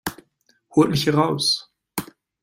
Holt mich hier raus!